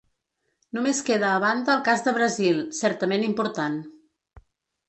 Només queda a banda el cas del Brasil, certament important.